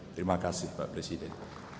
terima kasih pak presiden